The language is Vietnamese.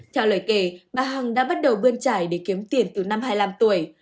theo lời kể bà hằng đã bắt đầu bơn trải để kiếm tiền từ năm hai mươi năm tuổi